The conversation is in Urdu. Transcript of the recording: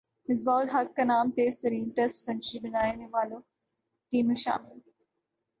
مصباح الحق کا نام تیز ترین ٹیسٹ سنچری بنانے والوںمیں شامل